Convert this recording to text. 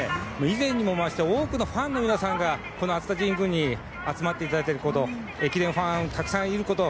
以前にもまして多くのファンの皆さんが熱田神宮に集まっていただいていること駅伝ファンがたくさんいること